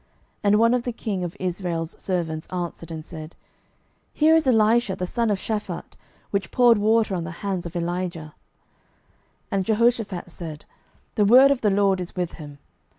And one of the king of Israel's servants answered and said, Here is Elisha the son of Shaphat, which poured water on the hands of Elijah. 12:003:012 And Jehoshaphat said, The word of the LORD is with him.